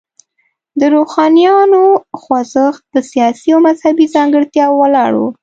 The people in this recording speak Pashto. د روښانیانو خوځښت په سیاسي او مذهبي ځانګړتیاوو ولاړ و.